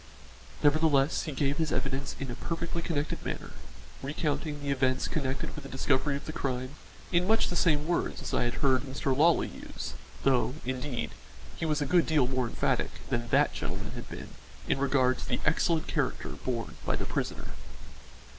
Nevertheless, he gave his evidence in a perfectly connected manner, recounting the events connected with the discovery of the crime in much the same words as I had heard Mr. Lawley use, though, indeed, he was a good deal more emphatic than that gentleman had been in regard to the excellent character borne by the prisoner.